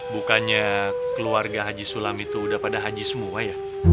bukannya keluarga haji sulam itu udah pada haji semua ya